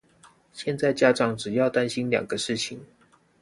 現在家長只要擔心兩個事情